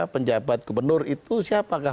penjabat gubernur itu siapakah